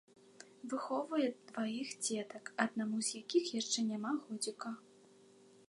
Выхоўвае дваіх дзетак, аднаму з якіх яшчэ няма годзіка.